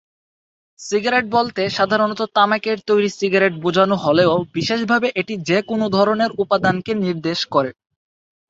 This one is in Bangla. সিগারেট বলতে সাধারণত তামাকের তৈরি সিগারেট বোঝানো হলেও বিশেষভাবে এটি যেকোন ধরনের উপাদানকে নির্দেশ করে।